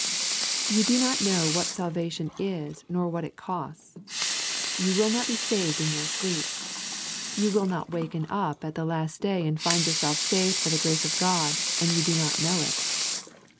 You do not know what salvation is nor what it costs. You will not be saved in your sleep. You will not waken up at the last day and find yourself saved by the grace of God and you not know it.